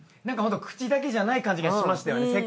ホント口だけじゃない感じがしましたよね。